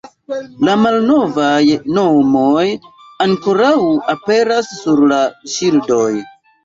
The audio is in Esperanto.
La malnovaj nomoj ankoraŭ aperas sur la ŝildoj.